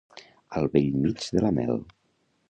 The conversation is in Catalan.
Al bell mig de la mel.